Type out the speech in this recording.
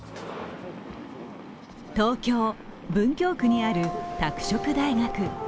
東京・文京区にある拓殖大学。